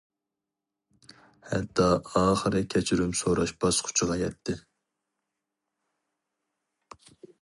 ھەتتا ئاخىرى كەچۈرۈم سوراش باسقۇچىغا يەتتى.